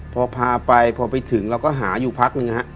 พอพาไปพอไปถึงเราก็หาอยู่พักหนึ่งนะฮะ